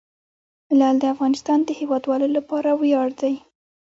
لعل د افغانستان د هیوادوالو لپاره ویاړ دی.